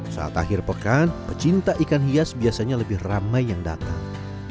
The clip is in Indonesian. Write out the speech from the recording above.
saat akhir pekan pecinta ikan hias biasanya lebih ramai yang datang